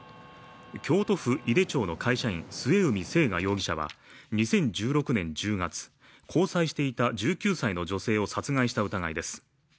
京都府井手町の会社員末海征河容疑者は２０１６年１０月交際していた１９歳の女性を殺害した疑いです